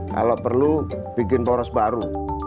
kalau perlu bikin poros baru